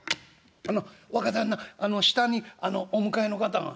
あの若旦那下にお迎えの方が」。